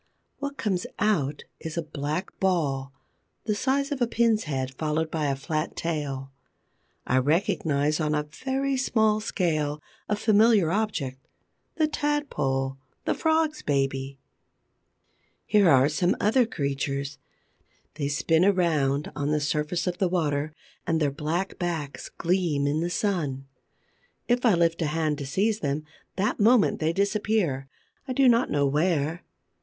What comes out is a black ball, the size of a pin's head, followed by a flat tail. I recognize, on a very small scale, a familiar object: the Tadpole, the Frog's baby. Here are some other creatures. They spin around on the surface of the water and their black backs gleam in the sun. If I lift a hand to seize them, that moment they disappear, I do not know where.